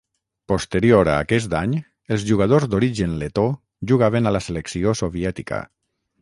Posterior a aquest any, els jugadors d'origen letó jugaven a la selecció soviètica.